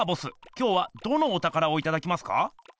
今日はどのおたからをいただきますか？